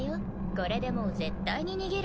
これでもう絶対に逃げられない。